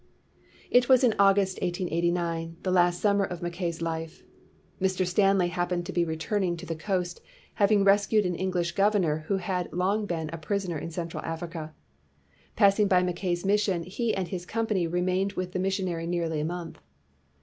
It was in August, 1889, the last summer of Mackav's life. Mr. Stanley happened to be returning to the coast, having rescued an English governor who had long been held a prisoner in Central Africa. Passing by Mackav's mission, he and his company re mained with the missionary nearly a month.